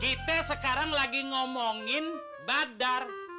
kita sekarang lagi ngomongin badar